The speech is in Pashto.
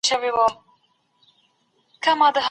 د خپلو فني مهارتونو د لوړولو لپاره هلي ځلي وکړئ.